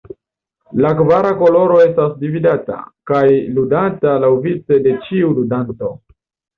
La kvara koloro estas dividata, kaj ludata laŭvice de ĉiu ludanto.